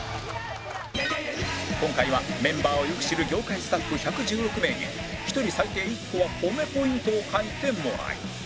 今回はメンバーをよく知る業界スタッフ１１６名に１人最低１個はホメポイントを書いてもらい